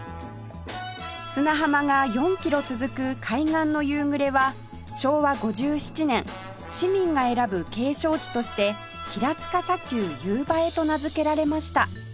砂浜が４キロ続く海岸の夕暮れは昭和５７年市民が選ぶ景勝地として「平塚砂丘夕映え」と名付けられました